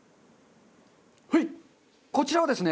はいこちらはですね